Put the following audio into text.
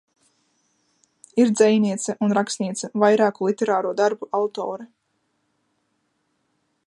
Ir dzejniece un rakstniece, vairāku literāro darbu autore.